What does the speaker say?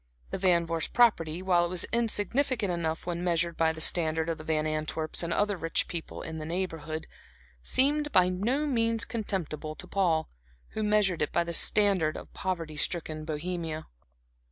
The Van Vorst property, while it was insignificant enough when measured by the standard of the Van Antwerps and other rich people in the Neighborhood, seemed by no means contemptible to Paul, who measured it by the standard of poverty stricken Bohemia.